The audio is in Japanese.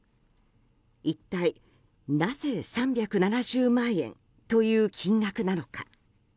一体なぜ３７０万円という金額なのか。